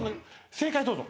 正解どうぞ。